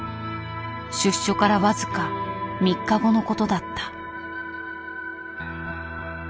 出所から僅か３日後のことだった。